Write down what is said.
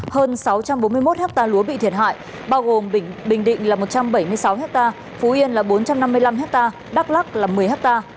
hơn sáu trăm bốn mươi một ha lúa bị thiệt hại bao gồm bình định là một trăm bảy mươi sáu hectare phú yên là bốn trăm năm mươi năm hectare đắk lắc là một mươi ha